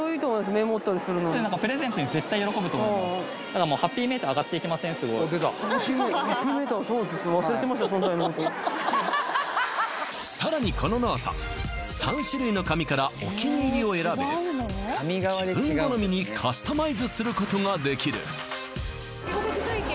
メモったりするのにさらにこのノート３種類の紙からお気に入りを選べ自分好みにカスタマイズすることができる